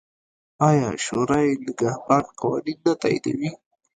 آیا شورای نګهبان قوانین نه تاییدوي؟